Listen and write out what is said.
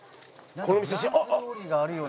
この店あっ！